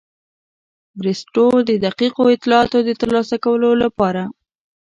بریسټو د دقیقو اطلاعاتو د ترلاسه کولو لپاره.